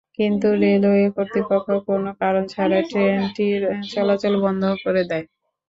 কিন্তু রেলওয়ে কর্তৃপক্ষ কোনো কারণ ছাড়াই ট্রেনটির চলাচল বন্ধ করে দেয়।